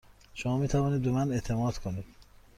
شما می توانید به من اعتماد کنید.